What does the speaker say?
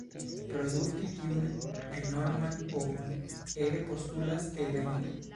Produkti tiun enorman ovon ege postulas el la ino.